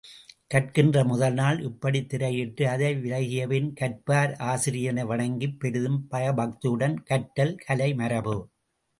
கற்கின்ற முதல் நாள் இப்படித் திரையிட்டு அதை விலக்கியபின், கற்பார் ஆசிரியனை வணங்கிப் பெரிதும் பயபக்தியுடன் கற்றல் கலைமரபு.